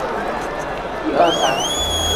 威塞尔超过耶稣何等高不可攀的高度！